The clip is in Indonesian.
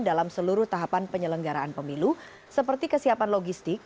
dalam seluruh tahapan penyelenggaraan pemilu seperti kesiapan logistik